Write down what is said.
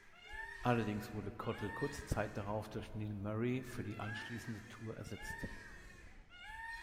Allerdings wurde Cottle kurze Zeit darauf durch Neil Murray für die anschließende Tour ersetzt.